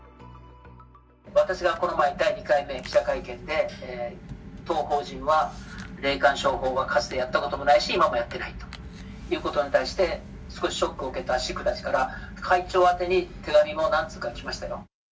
私がこの前、第２回目記者会見で、当法人は霊感商法はかつてやったこともないし、今もやっていないということに対して、少しショックを受けたシックたちから、会長宛てに手紙も何通か来ましたよ。